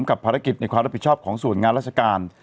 กับภารกิจในความรับผิดชอบของส่วนงานราชการ